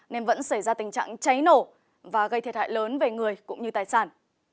nên vẫn xảy ra tình trạng cháy nổ và gây thiệt hại lớn về người cũng như tài sản